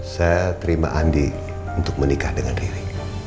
saya terima andi untuk menikah dengan riri